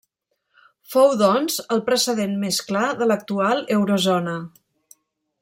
Fou, doncs, el precedent més clar de l'actual Eurozona.